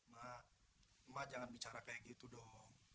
mak mak jangan bicara kayak gitu dong